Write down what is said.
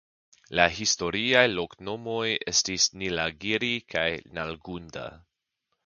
La historiaj loknomoj estis "Nilagiri" kaj "Nalgunda".